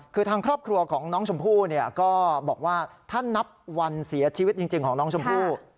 คือทางครอบครัวของน้องชมพู่ก็บอกว่าถ้านับวันเสียชีวิตจริงของน้องชมพู่